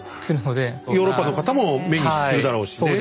ヨーロッパの方も目にするだろうし。